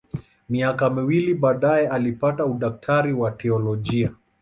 Miaka miwili baadaye alipata udaktari wa teolojia.